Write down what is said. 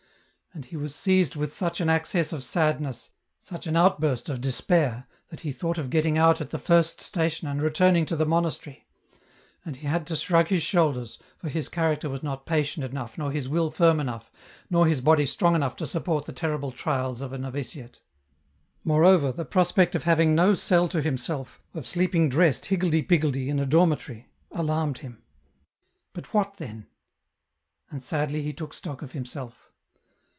And he was seized with such an access of sadness, such an outburst of despair, that he thought of getting out at the first station, and returning to the monastery ; and he had to shrug his shoulders, for his character was not patient enough nor his will firm enough, nor his body strong enough to support the terrible trials of a noviciate. More over, the prospect of having no cell to himself, of sleeping dressed higgledy piggledy in a dormitory, alarmed him. But what then ? And sadly he took stock of himself.